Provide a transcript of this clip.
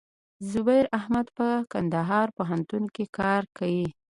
زبير احمد په کندهار پوهنتون کښي کار کيي.